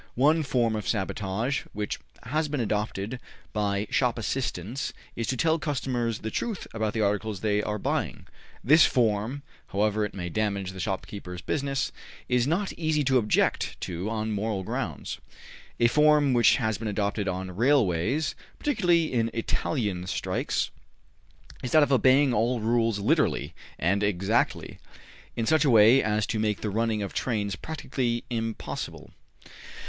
One form of sabotage which has been adopted by shop assistants is to tell customers the truth about the articles they are buying; this form, however it may damage the shopkeeper's business, is not easy to object to on moral grounds. A form which has been adopted on railways, particularly in Italian strikes, is that of obeying all rules literally and exactly, in such a way as to make the running of trains practically impossible.